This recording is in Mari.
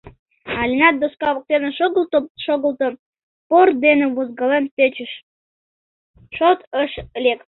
Алинат доска воктене шогылто, шогылто, пор дене возкален тӧчыш, шот ыш лек.